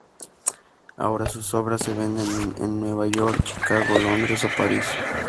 Ahora, sus obras se venden en Nueva York, Chicago, Londres o París.